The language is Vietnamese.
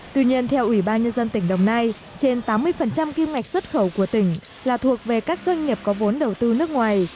tuy nhiên theo ủy ban nhân dân tỉnh đồng nai trên tám mươi kim ngạch xuất khẩu của tỉnh là thuộc về các doanh nghiệp có vốn đầu tư nước ngoài